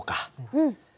うん。